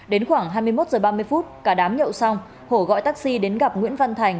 đến khoảng hai mươi một h ba mươi phút cả đám nhậu xong hổ gọi taxi đến gặp nguyễn văn thành